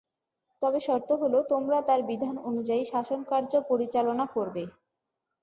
তবে শর্ত হল, তোমরা তার বিধান অনুযায়ী শাসনকার্য পরিচালনা করবে।